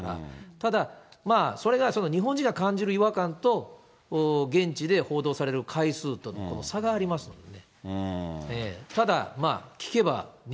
ただ、それが日本人が感じる違和感と、現地で報道される回数と差がありますもんね。